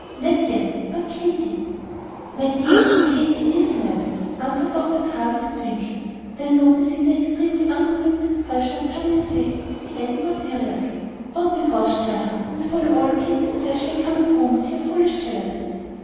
"Ned! yes. But Katy " "My dear, Katy is Ned," answered Dr. Carr, with a twinkle. Then noticing the extremely unconvinced expression of Johnnie's face, he added more seriously, "Don't be cross, children, and spoil all Katy's pleasure in coming home, with your foolish jealousies.